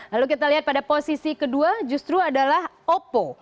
lalu kita lihat pada posisi kedua justru adalah oppo